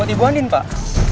buat ibu andin pak